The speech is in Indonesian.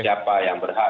siapa yang berhak